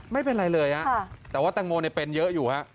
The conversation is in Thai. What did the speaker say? ไม่เป็นไรเลยฮะแต่ว่าแตงโมเป็นเยอะอยู่ฮะ